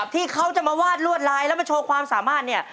ที่เขาจะมาวาดลวดลายแล้วมาโชว์ความสามารถเนี่ย